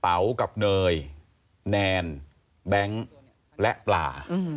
๋ากับเนยแนนแบงค์และปลา